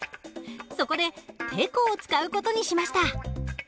そこでてこを使う事にしました。